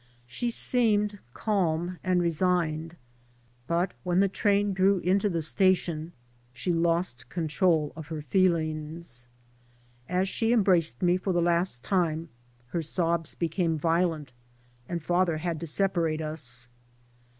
She seemed calm and resigned. But when the train drew into the station she lost control of her feelings. As she embraced me for the last time her sobs became violent and father had to separate us.